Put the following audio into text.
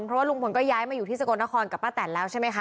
เพราะว่าลุงพลก็ย้ายมาอยู่ที่สกลนครกับป้าแตนแล้วใช่ไหมคะ